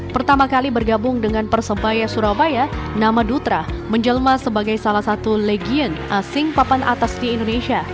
pertama kali bergabung dengan persebaya surabaya nama dutra menjelma sebagai salah satu legion asing papan atas di indonesia